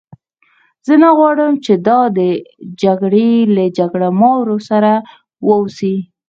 زه نه غواړم چې دا د دې جګړې له جګړه مارو سره وه اوسي.